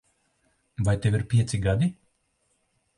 Vai tev ir pieci gadi?